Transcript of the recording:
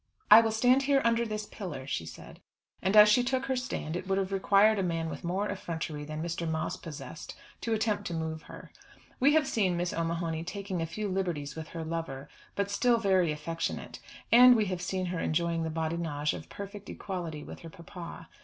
"I will stand here under this pillar," she said. And as she took her stand it would have required a man with more effrontery than Mr. Moss possessed, to attempt to move her. We have seen Miss O'Mahony taking a few liberties with her lover, but still very affectionate. And we have seen her enjoying the badinage of perfect equality with her papa.